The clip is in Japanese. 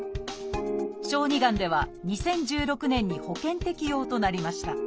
小児がんでは２０１６年に保険適用となりました。